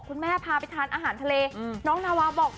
พาไปทานอาหารทะเลน้องนาวาบอก